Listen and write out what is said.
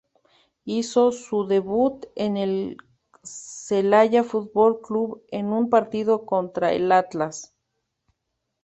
Hizo su debut en el Celaya Fútbol Club en un partido contra el Atlas.